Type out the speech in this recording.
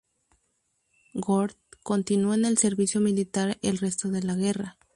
Gort continuó en el servicio militar el resto de la guerra.